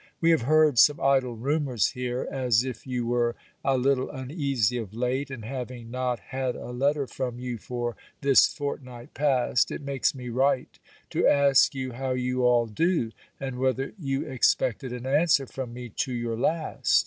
We have heard some idle rumours here, as if you were a little uneasy of late; and having not had a letter from you for this fortnight past, it makes me write, to ask you how you all do? and whether you expected an answer from me to your last?